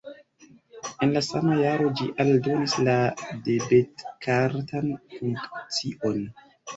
En la sama jaro ĝi aldonis la debetkartan funkcion.